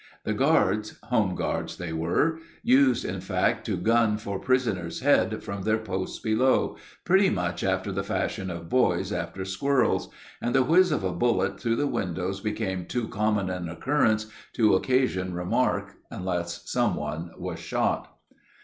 The guards (home guards they were) used, in fact, to gun for prisoners' heads from their posts below, pretty much after the fashion of boys after squirrels; and the whizz of a bullet through the windows became too common an occurrence to occasion remark unless some one was shot.